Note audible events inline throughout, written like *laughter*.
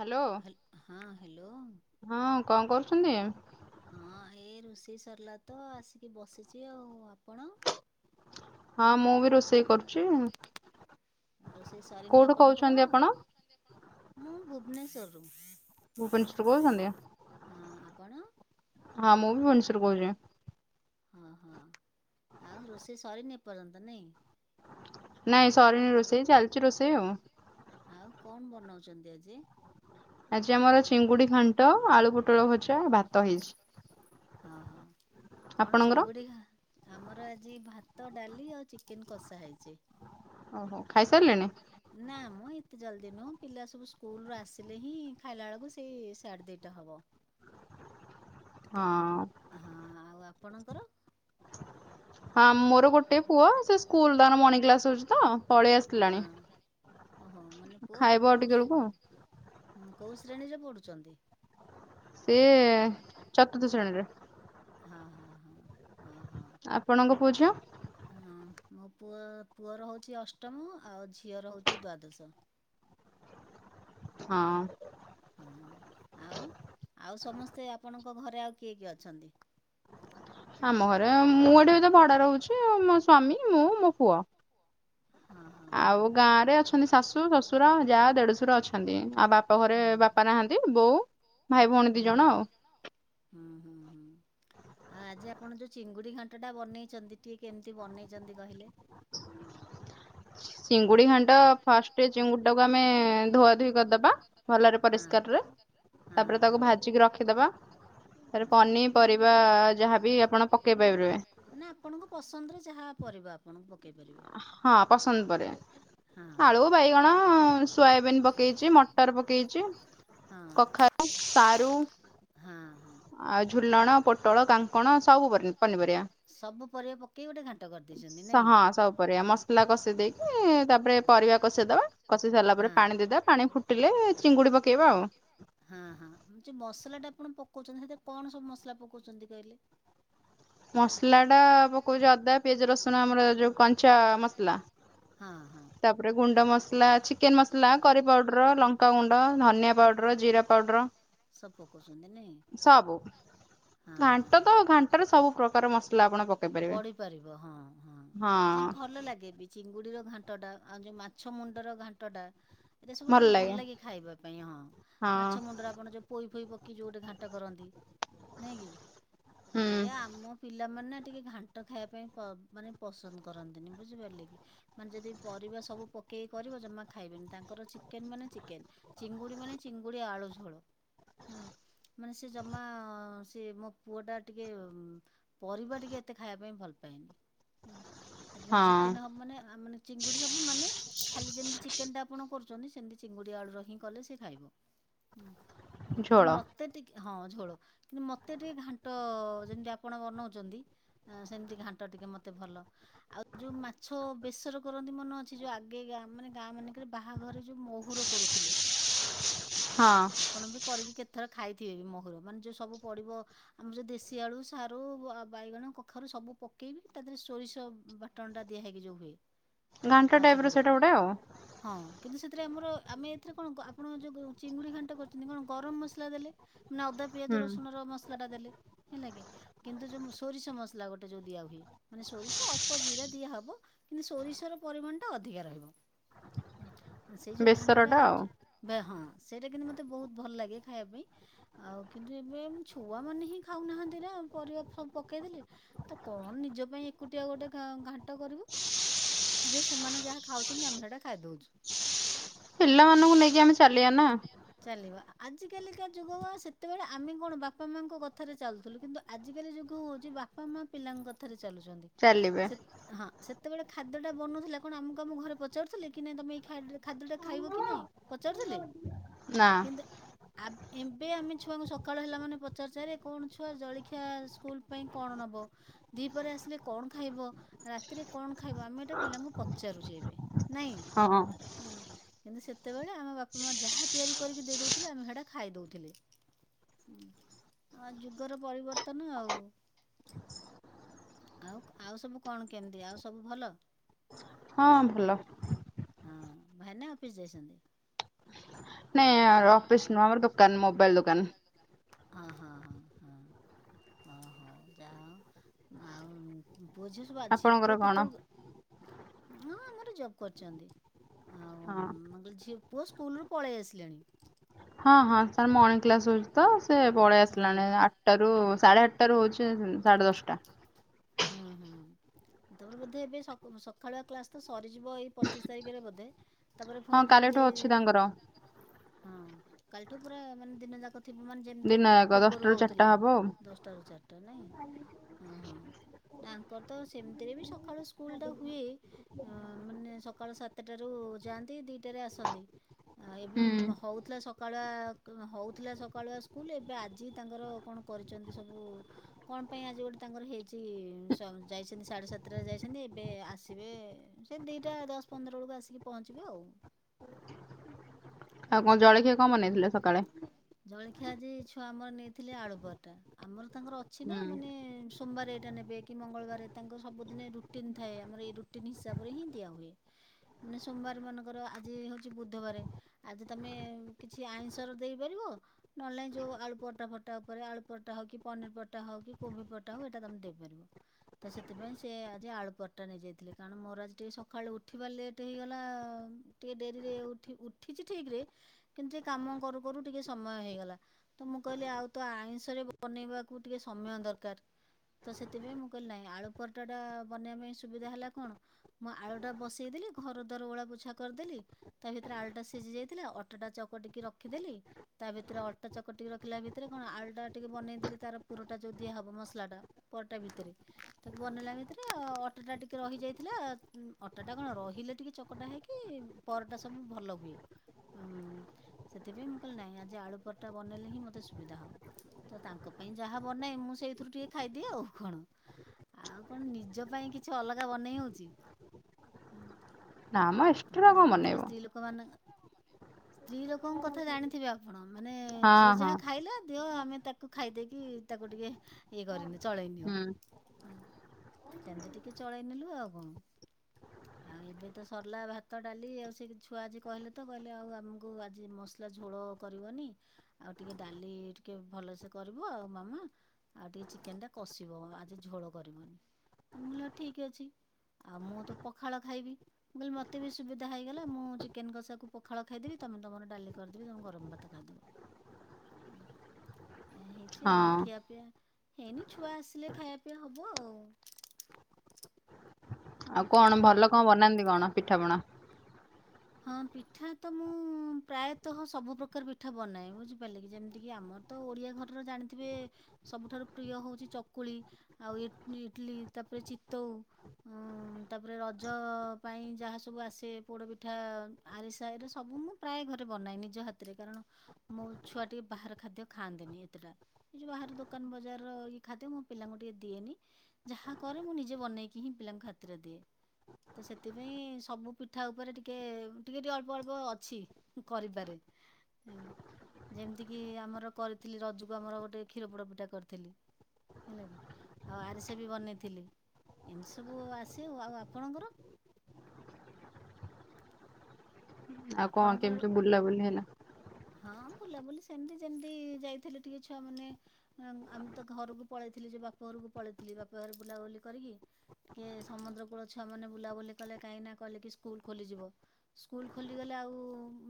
Hello. ହା ହଁ hello. ହଁ କଣ କରୁଚନ୍ତି? ହଁ ଏ ରୋଷେଇ ସରିଲା ତ ଆସିକି ବସିଚି ଆଉ। ଆପଣ? ହଁ ମୁଁ ବି ରୋଷେଇ କରୁ ରୋଷେଇ ସରିନି ଆପଣଙ୍କର? ମୁଁ ଭୁବନେଶ୍ୱରରୁ। ଭୁବେନଶ୍ୱର ରୁ କହୁଛନ୍ତି? ହଁ। ଆପଣ? ହଁ ମୁଁ ବି ଭୁବେନଶ୍ୱର କହୁଚି। ଅ ହଁ। ଆଉ ରୋଷେଇ ସରିନି ଏପର୍ଯ୍ୟନ୍ତ ନାଇଁ? ନାଇଁ ସରିନି ରୋଷେଇ, ଚାଲିଚି ରୋଷେଇ ଆଉ। ଆଉ କଣ ବନଉଛନ୍ତି ଆଜି? ଆଜି ଆମର ଚିଙ୍ଗୁଡି ଖାଣ୍ଟ, ଆଳୁପୋଟଳ ଭଜା, ଭାତ ହେଇଚି। ଅ ହ। କଣ ଚିଙ୍ଗୁଡି ଘା ଆମର ଆଜି ଭାତ, ଡାଲି ଆଉ ଚିକେନ କଷା ହେଇଚି। ଓହୋ। ଖାଇସାରିଲେଣି? ନା ମ ଏତେ ଜଲ୍ଦି ନୁହଁ, ପିଲା ସବୁ ସ୍କୁଲରୁ ଆସିଲେ ହିଁ ଖାଇଲା ବେଳକୁ ସେଇ ସାଡେ ଦିଟା ହବ। ହଁ। ହଁ ଆଉ ଆପଣଙ୍କର? ହଁ ମୋର ଗୋଟେ ପୁଅ, ସେ ସ୍କୁଲ ତାଙ୍କର ମର୍ଣ୍ଣିଂ କ୍ଲାସ ହଉଛି ତ ପଳେଇ ଆସିଲାଣି। ଓ ହୋ ମାନେ ପୁଅ କୋଉ କୋଉ ଶ୍ରେଣୀରେ ପଢୁଚନ୍ତି? ସେ ଚତୁର୍ଥ ଶ୍ରେଣୀରେ। ହଁ- ହଁ- ହଁ। ହଁ- ହଁ। ଆପଣଙ୍କ ପୁଅ ଝିଅ? ହଁ ମୋ ପୁଅ ପୁଅର ହଉଛି ଅଷ୍ଟମ, ଆଉ ଝିଅର ହଉଛି ଦ୍ଵାଦଶ। ହଁ। ହଁ ଆଉ ଆଉ ସମସ୍ତେ ଆପଣଙ୍କ ଘରେ ଆଉ କିଏ କିଏ ଅଛନ୍ତି? ଆମ ଘରେ ମୁଁ ଏଠି ତ ଭଡା ରହୁଛି। ମୋ ସ୍ଵାମୀ, ମୁଁ, ମୋ ପୁଅ। ଆଉ ଗାଁରେ ଅଛନ୍ତି ଶାଶୁ, ଶଶୁର, ଯାଆ, ଦେଢଶୁର ଅଛନ୍ତି। ଆଉ ବାପ ଘରେ ବା ବାପା ନାହାନ୍ତି। ବୋଉ, ଭାଇ ଭଉଣୀ ଦି ଜଣ ଆଉ। ହୁଁ -ହୁଁ - ହୁଁ। ଆଉ ଆଜି ଆପଣ ଯୋଉ ଚିଙ୍ଗୁଡି ଘାଣ୍ଟ ଟା ବନେଇଛନ୍ତି, ଟିକେ କେମିତି ବନେଇଛନ୍ତି କହିଲେ? ଚିଙ୍ଗୁଡି ଘାଣ୍ଟ ଫାଷ୍ଟ ଚିଙ୍ଗୁଡିଟାକୁ, ଆମେ ଧୁଆ ଧୋଇ କରିଦବା ଭଲରେ ପରିଷ୍କାରରେ। ତାପରେ ତାକୁ ଭାଜିକି ରଖିଦବା। ତାରେ ପନିପରିବା ଯାହାବି ଆପଣ ପକେଇ ପାରିବେ। ମାନେ ଆପଣଙ୍କ ପସନ୍ଦରେ, ଯାହା ପରିବା ଆପଣ ପକାଇ ପାରିବେ। ହଁ ପସନ୍ଦ ପରିବା। ଆଳୁ, ବାଇଗଣ, ସୋୟାବିନ୍ ପକେଇଛି, ମଟର ପକେଇଛି। କଖାରୁ, ସାରୁ, ଆଉ ଝୁଲଣ, ପୋଟଳ, କାଙ୍କ ଙ୍କଣ ସବୁ ପନିପରିବା, ହଁ ସବୁ ତାପରେ ମସଲା କଷେଇ ଦେଇକି, ତାପରେ ପରିବା କଷେଇଦବା କଷି ସାରିଲା ପରେ ପାଣି ଦେଇଦବା। ପାଣି ଫୁଟ ଟିଲେ ଚିଙ୍ଗୁଡି ପକେଇବା ଆଉ। ହଁ- ହଁ ଯୋଉ ମସଲାଟା ଆପଣ ପକଉଚନ୍ତି, ସେଥିରେ କଣ ସବୁ ମସଲା ପକଉଚନ୍ତି କହିଲେ? ମସଲାଟା ପକଉଚି ଅଦା, ପିଆଜ, ରସୁଣ ଆମର ଯୋଉ କଞ୍ଚା ମସଲା। ହଁ- ହଁ। ତାପରେ ଗୁଣ୍ଡ ମସଲା ଚିକେନ ମସଲା, କରି ପାଉଡର, ଲଙ୍କାଗୁଣ୍ଡ, ଧନିଆ ପାଉଡର, ଜିରା ପାଉଡର ସବ ପକଉଛନ୍ତି ନାଇଁ। ଘାଣ୍ଟ ତ ଘାଣ୍ଟରେ ସବୁ ପ୍ରକାର ମସ ପଡିପାରିବ, ହଁ- ହଁ ନାଇଁ ଭଲ ଲାଗେ ବି। ଚିଙ୍ଗୁଡିର ଘାଣ୍ଟ ଟା, ଆଉ ଯୋଉ ମାଛ ମୁଣ୍ଡର ଘାଣ୍ଟଟା ଏଇରା ସବୁ ଟିକେ ଭଲ ଲାଗେ ଖାଇବା ପାଇଁ, ହଁ ମାଛ ମୁଣ୍ଡରେ ଆପଣ ଯୋଉ ପୋଇ ଫୋଇ ପକେଇ ଯୋଉ ଗୋଟେ ଘାଣ୍ଟ କରନ୍ତି, ନାଇଁ କି? ଏଇଆ ଆମ ପିଲାମାନେ ଟିକେ ଘାଣ୍ଟ ଖାଇବା ପାଇଁ ପ ମାନେ ପସନ୍ଦ କରନ୍ତିନି ବୁଝିପାରିଲେ କି। ମାନେ ଯଦି ପରିବା ସବୁ ପକେଇ କରିବ, ଜମା ଖାଇବେନି ତାଙ୍କର ଚିକେନ୍ ମାନେ ଚିକେନ୍। ଚିଙ୍ଗୁଡି ମାନେ ଚିଙ୍ଗୁଡି ଆଳୁ ଝୋଳ। ମାନେ ସେ ଜମା ସେ ମୋ ପୁଅଟା ଟିକେ ପରିବା ଟିକେ ଏତେ ଖାଇଆ ପାଇଁ ଭଲ ପାଏନି, ସେଥିପାଇଁ ଚିକେନ ହବ ମାନେ ଆ ମାନେ ଚିଙ୍ଗୁଡି ହବ ମାନେ ଖାଲି ଯେମତି ଚିକେନ୍ ଟା ଆପଣ କରୁଛନ୍ତି, ସେମିତି ଚିଙ୍ଗୁଡି ଆଳୁର ହିଁ କଲେ ସେ ଖାଇବ। ହୁଁ। କିନ୍ତୁ ମତେ ଟିକେ ହଁ ଝୋଳ, କିନ୍ତୁ ମତେ ଟିକେ ଘାଣ୍ଟ ଯେମିତି ଆପଣ ବନଉ ଚନ୍ତି, ସେମିତି ଘାଣ୍ଟ ଟିକେ ମତେ ଭଲ ଆଉ ଯୋଉ ମାଛ ବେସର କରନ୍ତି ମନେ ଅଛି, ଯୋଉ ଆଗେ ଗାଁ ମାନେ ଗାଁ ମାନେଙ୍କରେ ବାହାଘରେ ଯୋଉ ମହୁର କରୁଥିଲେ, ଆପଣ ବି କରିକି କେ ଥର ଖାଇଥିବେ ବି ମହୁର, ମାନେ ଯୋଉ ସବୁ ପଡ଼ିବ। ଆମର ଯୋଉ ଦେଶୀ ଆଳୁ, ସାରୁ ବାଇଗଣ କଖାରୁ ସବୁ ପକେଇବି ତା ଦେହରେ ସୋରିଷ ବାଟନ ଟା ଦିଆ ହେଇକି ଯୋଉ ହୁଏ। ମାଛା ପଡ଼ିିକି ହଁ କିନ୍ତୁ ସେଥିରେ ଆମର ଆମେ ଏଥିରେ କଣ ଆପଣ ଯେଉଁ ଚିଙ୍ଗୁଡ଼ି ଘାଣ୍ଟ କରୁଛନ୍ତି କଣ ଗରମ ମସଲା ଦେଲେ। ନବେ ପିଆଜ ରସୁଣ ର ମସଲା ଟା ଦେଲେ ହେଲା କିି କିନ୍ତୁ ଯୋଉ ସୋରିଷ ମସଲା ଗୋଟେ ଯୋଉ ଦିଆ ହୁଏ। ମାନେ ସୋରିଷ ଅଳ୍ପ ଜିରା ଦିଆହେବ କିନ୍ତୁ ସୋରିଷର ପରିମାଣ ଟା ଅଧିକା ରହିବ। ସେଇ ଯୋଉ ଘାଣ୍ଟଟା ହଁ ସେଇଟା କିନ୍ତୁ ମତେ ବହୁତ ଭଲ ଲାଗେ ଖାଇବା ପାଇଁ। ଆଉ କିନ୍ତୁ ଏବେ ଛୁଆ ମାନେ ହିଁ ଖାଉନାହାନ୍ତି ନା ପରିବା ପକେଇ ତ କଣ ନିଜ ପାଇଁ ଏକୁଟିଆ ଗୋଟେ ଘାଣ୍ଟ କରିବୁ। ଯେ ସେମାନେ ଯାହା ଖାଉଛନ୍ତି ଆମେ ସେଇଟା ଖାଇଦଉଛୁ। ପିଲାମାନଙ୍କୁ ନେଇକି ଆମେ ଚାଲିବା ନା ଚାଲିିବା ଆଜିକାଲୀକା ଯୁଗ ବା ସେତେବେଳେ ଆମେ କଣ ବାପା ମାଆଙ୍କ କଥାରେ ଚାଲୁଥିଲୁ କିନ୍ତୁ ଆଜିକାଲି ଯୁଗ ହେଉ ଯେ ବାପା ମା ପିଲାଙ୍କ କଥାରେ ଚାଲୁଛନ୍ତି। ଚାଲିବେ ହଁ ସେତେବେଳେ ଖାଦ୍ୟଟା ବନଉଥିଲା କଣ ଆମକୁ ଆମକୁ ଘରେ ପଚାରୁଥିଲେ କି ନାଇଁ ତମେ ଏଇ ଖାଦ୍ୟଟା ଖାଇବ କି ନାହିଁ? ପଚାରୁଥିଲେ? କିନ୍ତୁ ଆ ଏବେ ଆମେ ଛୁଆଙ୍କୁ ସକାଳ ହେଲା ମାନେ ପଚାରୁଚୁ କଣ ଛୁଆ ଜଳଖିଆ ସ୍କୁଲ ପାଇଁ କଣ ନବ? ଦି ପରେ ଆସିଲେ କଣ ଖାଇବ ରାତିରେ କଣ ଖାଇବ ଆମେ ଏଟା ପିଲାଙ୍କୁ ପଚାରୁଛେ ଏବେ। ନାଇଁ ହଁଁ ହଁ ହେଲା କିନ୍ତୁ ସେତେବେଳେ ଆମ ବାପା ମା ଯାହା ତିଆରି କରିକି ଦେଇଦଉଥିଲେ ଆମେ ସେଟା ଖାଇଦଉଥିଲେ। ହଁ ଯୁଗର ପରିବର୍ତ୍ତନ ଆଉ। ଆଉ ଆଉ ସବୁ କଣ କେମିତି ଆଉ ସବୁ ଭଲ? ହଁ ଭଲ ହଁ ଭାଇନା ଅଫିସ ଯାଇଛନ୍ତି? ନାଇଁ ଅଫିସ ନୁହ ଆମର ଦୋକାନ ମୋବାଇଲ ଦୋକାନ। ହଁ ହଁ ହଁ ହଉ ଯା ହଉ। ଆଉ ପୁଅ ଝିଅ ସବୁ ଅଛି। ପୁଅ କେତେବେଳକୁ ହଁ ଆମର ଜବ୍ କରିଛନ୍ତି। ଆଉ ମୁଁ *unintelligible* ପୁଅ ସ୍କୁଲରୁ ପଳେଇ ଆସିଲେଣି। ହଁ ହଁ ତାର ମର୍ନିଙ୍ଗ କ୍ଲାସ୍ ହଉଛି। ତ ସେ ପଳେଇ ଆସିଲାଣି ଆଠଟାରୁ ସାଢ଼େ ଆଠଟାରୁ ହଉଛି ସାଢ଼େ ଦଶଟା। *inaudible* *unintelligible* ବୋଧେ ଏବେ ସକାଳୁଆ କ୍ଲାସ ତ ସରିଯିବ ଏଇ ପଚିଶି ତାରିଖରେ ବୋଧେ? ତାପରେ ପୁଣି ଯେମତି ହଁ କାଲିଠୁ ପୁରା ମାନେ ଦିନ ଯାକ ଥିବ ମାନେ ଯେମତି ପୂର୍ବରୁ ହଉଥିଲା ଦଶଟାରୁ ଚାରିଟା ନାଇଁ? ହଁ, ହଁ ଆଙ୍କର ତ ସେମିତିରେ ବି ସକାଳୁ ସ୍କୁଲଟା ହୁଏ। ହ ମାନେ ସକାଳ ସାତଟାରୁ ଯାଆନ୍ତି ଦିଟାରେ ଆସନ୍ତି। ଆ ଏବେ ହଉଥିଲା ସକାଳୁଆ ହଉଥିଲା ସକାଳୁଆ ସ୍କୁଲ ଏ ଏବେ ଆଜି ତାଙ୍କର କଣ କରିଛନ୍ତି ସବୁ କଣ ପାଇଁ ଆଜି ଗୋଟେ ତାଙ୍କର ହେଇଛି ଯାଇଛନ୍ତି ସାଢ଼େ ସାତଟାରେ ଯାଇଛନ୍ତି ଏବେ ଆସିବେ ସେ ଦିଇଟା ଦଶ ପନ୍ଦର ବେଳକୁ ଆସିକି ପହଞ୍ଚିବେ ଆଉ। ଆଉ କଣ ଜଳଖିଆ କଣ ବନେଇଥିଲେ ସକାଳେ। ଜଳଖିଆ ଆଜି ଛୁଆ ଆମର ନେଇଥିଲେ ଆଳୁପରଟା। ଆମର ତାଙ୍କର ଅଛି ନା ମାନେ ସୋମବାର ଏଇଟା ନେବେ କି ମଙ୍ଗଳବାର ତାଙ୍କର ସବୁଦିନେ ରୂ ରୁଟିନ ଥାଏ ଆମର ଏଇ ରୁଟିନ ହିସାବରେ ହିଁ ଦିଆ ହୁଏ। ମାନେ ସୋମବାର ମାନଙ୍କର ଆଜି ହଉଛି ବୁଧବାର। ଆଜି ତମେ କିଛି ଆଇଁସ ର ଦେଇପାରିବ। ନଲେ ନାହି ଯୋଉ ଆଳୁ ପରଟା ଫରଟା ଉପରେ ଆଳୁ ପର ଟା ହଉ କି ପନିର ପରଟା ହଉ କି କୋବି ପରଟା ହଉ ଏଇଟା ତମେ ଦେଇପାରିବ। ତ ସେଥିପାଇଁ ସେ ଆଜି ଆଳୁପରଟା ନେଇଯାଇଥିଲେ କାରଣ ମୋର ଆଜି ଟିକେ ସକାଳୁ ଉଠିବା ଲେଟ ହେଇଗଲା। ଟିକେ ଡେରିରେ ଉଠି ଉଠିଛି ଠିକ ରେ କିନ୍ତୁ ସେ କାମ କରୁ କରୁ ଟିକେ ସମୟ ହେଇଗଲା ତ ମୁଁ କହିଲି ଆଉ ତ ଆଇଁଷରେ ବନେଇବାକୁ ଟିକେ ସମୟ ଦରକାର। ତ ସେଥିପାଇଁ ମୁଁ କହିଲି ନାହିଁ ଆଳୁ ପରଟା ଟା ବନେଇବା ପାଇଁ ସୁବିଧା ହେଲା କଣ? ମୁଁ ଆଳୁ ଟା ବସେଇଦେଲି ଘର ଦ୍ୱାର ଓଳା ପୋଛା କରିଦେଲି ତା ଭିତରେ ଆଳୁଟା ସି ସିଝି ଯାଇଥିଲା ଅଟଟା ଚକଟିକି ରଖିଦେଲି। ତା ଭିତରେ ଅଟା ଚକଟି ରଖିଲା ଭିତରେ କଣ ଆଳୁ ଟା ଟିକେ ବନେଇଦେଲି ତାର ପୁରଟା ଯୋଉ ଦିଆହେବ ମସଲା ଟା। ପରଟା ଭିତରେ ତାକୁ ବନେଇଲା ଭତିରେ ଅଟା ଟା ଟିକେ ରହିଯାଇଥିଲା ଅଟା ଟା କଣ ରହିଲେ ଟିକେ ଚକଟା ହେଇକି କି ପରଟା ସବୁ ଭଲ ହୁଏ। ହଁ ସେଥିପାଇଁ ମୁଁ କହିଲି ନାହିଁ ଆଜି ଆଳୁ ପରଟା ବନେଇଲେ ହିଁ ମୋତେ ସୁବିଧା ହେବ। ତ ତାଙ୍କ ପାଇଁ ଯାହା ବନାଏ ମୁଁ ସେଇଥିରୁ ଟିକେ ଖାଇଦିଏ ଆଉ କଣ। ଆଉ କଣ ନିଜ ପାଇଁ କିଛି ଅଲଗା ବନେଇ ହଉଛି। ଆପଣ ତ ଜାଣିଥିବେ ସ୍ତ୍ରୀ ଲୋକ ମାନେ ସ୍ତ୍ରୀ ଲୋକଙ୍କ କଥା ଜାଣିଥିବେ ଆପଣ ମାନେ ଯିଏ ଯାହା ଖାଇଲେ ଦିଅ ଆମେ ତାକୁ ଖାଇଦେଇକି ତାକୁ ଟିକେ ଇଏ କରିନି ଚଳେଇନିଅ। ସେମିତି ଟିକେ ଚଳେଇ ନେଲୁ ଆଉ କଣ? ଆଉ ଏବେ ତ ସରିଲା ଭାତ ଡାଲି ଆଉ ସେ ଛୁଆ ଆଜି କହିଲେ ତ କହିଲେ ଆଉ ଆମକୁ ଆଜି ମସଲା ଝୋଳ କରିବନି। ଆଉ ଟିକେ ଡାଲି ଟିକେ ଭଲସେ କରିବୁ ଆଉ ମାମା ଆଉ ଟିକେ ଚିକେନ ଟା କଷିବ ଆଜି ଝୋଳ କରିବନି ମୁଁ କହିଲ ହଁ ଠିକ ଅଛି। ଆଉ ମୁଁ ତ ପଖାଳ ଖାଇବି କହିଲି ମତେ ବି ସୁବିଧା ହେଇଗଲା ମୁଁ ଚିକେନ କଷାକୁ ପଖାଳ ଖାଇଦେବି ତମେ ତମର ଡାଲି କରିଦେବ ମୁଁ ଗରମ ଭାତ ଖାଇଦେବି ଆଜ୍ଞା ହେଇଛି ଆଉ ଖିଆପିଆ ହେଇନି ଛୁଆ ଆସିଲେ ଖାଇବା ପିଇବା ହେବ ଆଉ। ଆଉ କଣ ଭଲ କଣ ବନାନ୍ତି କଣ ପିଠାପଣା? ହଁ ପିଠା ତ ମୁଁ ପ୍ରାୟତଃ ସବୁ ପ୍ର୍ରକାର ପିଠା ବନାଏ ବୁଝିପାରିଲେ କି ଯେମିତିକି ଆମ ତ ଓଡ଼ିଆ ଘରର ଜାଣିଥିବେ ସବୁଠାରୁ ପ୍ରିୟ ହଉଛି ଚକୁଳି ଆଉ ଇଟିଲି ଇଟିଲି ତାପରେ ଚିତଉ ହଁ ତାପରେ ରଜ ପାଇଁ ଯାହା ସବୁ ଆସେ ପୋଡ ପି ମିଠା ଆରିସା ଏରେ ସବୁ ମୁଁ ପ୍ରାୟ ଘରେ ବନାଏ ନିଜ ହାତରେ କାରଣ ମୋ ଛୁଆ ଟିକେ ବାହାର ଖାଦ୍ୟ ଖାଆନ୍ତିନି ଏତେଟା। ଏ ଯେଉଁ ବାହାର ଦୋକାନ ବଜାର ଇଏ ଖାଦ୍ୟ ମୋ ପିଲାଙ୍କୁ ଟିକି ଦିଏନି ଯାହା କରେ ମୁଁ ନିଜେ ବନେଇକି ହିଁ ପିଲାଙ୍କୁ ହାତରେ ଦିଏ। ତ ସେଥିପାଇଁ ସବୁ ପିଠା ଉପରେ ଟି କେ ଟିକେ ଟିକେ ଅଳ୍ପ ଅଳ୍ପ ଅଛି କରିବାରେ ହେଲା ଯେମିତିକି ଆମର କରିଥିଲି ରଜକୁ ଆମର ଗୋଟେ କ୍ଷୀରପୋଡ଼ ପିଟା କରିଥିଲି ହେଲା କିି ଆଉ ଆରିସ ବି ବନେଇଥିଲି ଏମିତି ସବୁ ଆସେ ଆଉ ଆପଣଙ୍କର? ଆଉ କଣ କେମିତି ବୁଲାବୁଲି ହେଲା? ହଁ ବୁଲା ବୁଲି ସେମୀତି ଯେମିତି ଯାଇଥିଲି ଟିକେ ଛୁଆ ମାନେ ଆମେ ତ ଘରକୁ ପଳେଇଥିଲି ଯୋଉ ବାପା ଘରକୁ ପଳେଇଥିଲି ବାପା ଘର ବୁଲାବୁଲି କରିକି ଟିକେ ସମୁଦ୍ର କୂଳ ଛୁଆ ମାନେ ବୁଲାବୁଲି କଲେ କାହିଁକିନା କହିଲେ କି ସ୍କୁଲ ଖୋଲିଯିବ ସ୍କୁଲ ଖୋଲିଗଲେ ଆଉ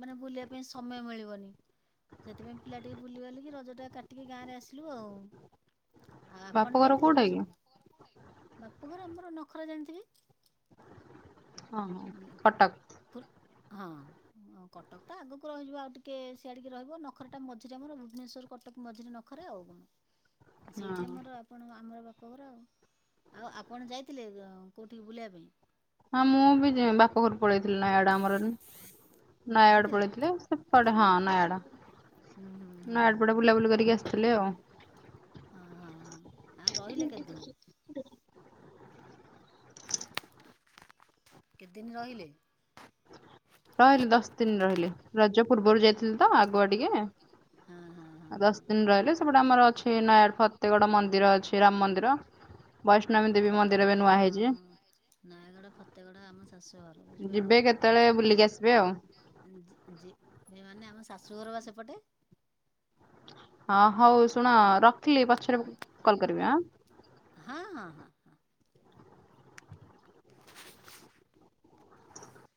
ମାନେ ବୁଲିବା ପାଇଁ ସମୟ ମିଳିବ ହବନି ସେଥିପାଇଁ ପିଲା ଟିକେ ବୁଲି ବଲିକି ରଜ ଟା କାଟିକି ଗାଁ ରେ ଆସିଲୁ ଆଉ। ଆଉ ଆପଣ ଯାଇଥିଲେ ରଜୁକୁ ବାପଘର ଆମର ନଖରା ଜାଣିଥିବି? ହୁଁ। କଟକ। ପୁରୁ ହଁ। ହୁଁ ଆଉ କଟକ ତ ଆଗକୁ ରହିଯିବ ଆଉ ଟିକେ ସିଆଡିକି ରହିବ ନଖରଟା ମଝିରେ ଆମର ଭୁବନେଶ୍ଵର କଟକ ମଝିରେ ନଖ୍ ଖରା ଆଉ କଣ ଉଁ ସେଇଠି ଆମର ଆପଣଙ୍କ ଆମର ବାପଘର ଆଉ। ଆଉ ଆପଣ ଯାଇଥିଲେ ଗଁ ଉଁ କୋଉଠିକି ବୁଲେଇବା ପାଇଁ? ମୁଁ ବି ଯେ ଉଁ ବାପଘରୁକୁ ପଳେଇଥିଲି ନୟାଗଡ ଆମର *unintelligible* ନୟାଗଡ ପଳେଇଥିଲେ। ହେପଟେ ହଁ ନୟାଗଡ ନୟାଗଡ ପଟେ ବୁଲାବୁଲି କରିକି ଆସିଥିଲେ ଆଉ। ହଁ ହଁ ହଁ ଆଉ ରହିଲେ କେତଦିନି? କେତଦିନି ରହିଲେ? ରହିଲି ଦଶ ଦିନ ରହିଲି ରଜ ପୂର୍ବରୁ ଯାଇଥିଲି ତ ଆଗୁଆ ଟିକେ ଆଉ ଦଶ୍ ଦିନ ରହିଲେ ସ୍ ସେପଟେ ଆମର ଅଛି ନୟାଗଡ ଫତେଗଡ ମନ୍ଦିର ଅଛି ରାମ ମନ୍ଦିର ବୈଷ୍ଣବୀ ଦେବୀ ମନ୍ଦିର ଏବେ ନୂଆ ହେଇଚି। *inaudible* ନୟାଗଡ ଫତେଗଡ ଆମ ଶାଶୁଘର ବୁଝିପାରିଲେ କି? କନ୍ *inaudible* ଉଁ ଯେ ଯେ ଯେ ମାନେ ଆମ ଶାଶୁଘର ବା ସେପଟେ। ହଁ ହଉ ଶୁଣ ରଖିଲି ପଛରେ *inaudible* କଲ୍ କରିବି ଆଁ। ହଁ ହଁ ହଁ।